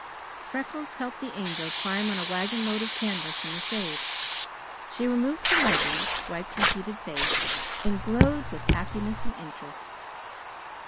Freckles helped the Angel climb on a wagonload of canvas in the shade. She removed her leggings, wiped her heated face, and glowed with happiness and interest.